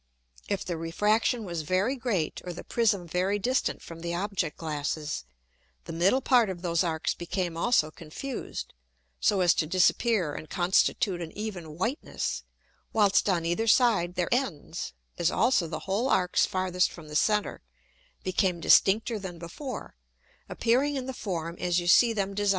If the Refraction was very great, or the Prism very distant from the Object glasses, the middle Part of those Arcs became also confused, so as to disappear and constitute an even Whiteness, whilst on either side their Ends, as also the whole Arcs farthest from the Center, became distincter than before, appearing in the Form as you see them design'd in the fifth Figure.